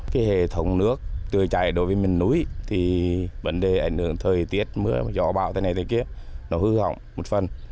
cái hệ thống nước tự chảy đối với miền núi thì vấn đề ảnh hưởng thời tiết mưa gió bão thế này thế kia nó hư hỏng một phần